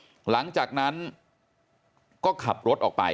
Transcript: จังหวัดสุราชธานี